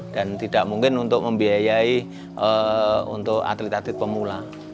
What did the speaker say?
dan tidak mungkin untuk membiayai untuk atlet atlet pemula